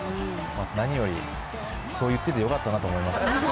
何よりそう言っててよかったなと思います。